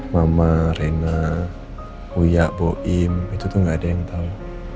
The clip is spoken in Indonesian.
mama rena uyak boim itu tuh gak ada yang tahu